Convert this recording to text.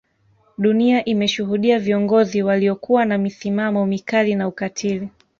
Dunia imeshuhudia viongozi waliokuwa na misimamo mikali na ukatili